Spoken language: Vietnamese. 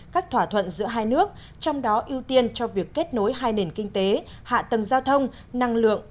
các thỏa thuận giữa hai nước trong đó ưu tiên cho việc kết nối hai nền kinh tế hạ tầng giao thông năng lượng